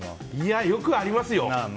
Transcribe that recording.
よくありますよ。